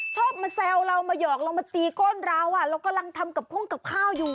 ชอบมาแซวเรามาหยอกเรามาตีก้นเราเรากำลังทำกับคงกับข้าวอยู่